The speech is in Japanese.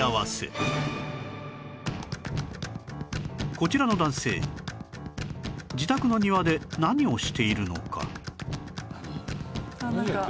こちらの男性自宅の庭で何をしているのか？なんか怖い。